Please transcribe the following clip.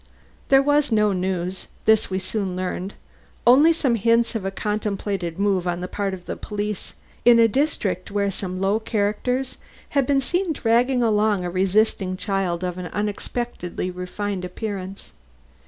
There was no news this we soon learned only some hints of a contemplated move on the part of the police in a district where some low characters had been seen dragging along a resisting child of an unexpectedly refined appearance.